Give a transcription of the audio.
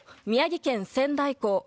宮城県仙台港